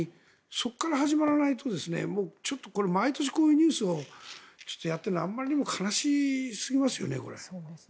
そこから始まらないとちょっと毎年こういうニュースをやっているのはあまりにも悲しすぎますよね。